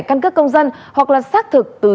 căn cước công dân hoặc là xác thực từ